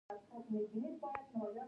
درناوی د ژوند د ټولو برخو سره اړیکه لري.